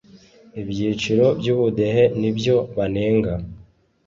Ibyiciro by’ubudehe nibyo banenga.